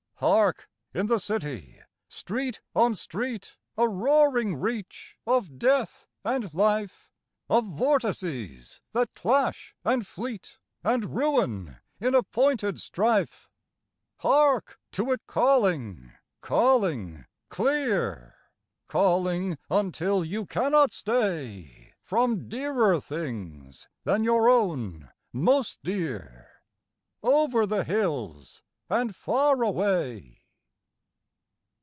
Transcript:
Hark in the city, street on street A roaring reach of death and life, Of vortices that clash and fleet And ruin in appointed strife, Hark to it calling, calling clear, Calling until you cannot stay From dearer things than your own most dear Over the hills and far away.